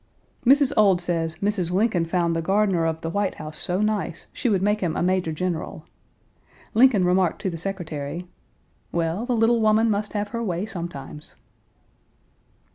Mrs. Ould says Mrs. Lincoln found the gardener of the White House so nice, she would make him a major general. Lincoln remarked to the secretary: "Well, the little woman must have her way sometimes."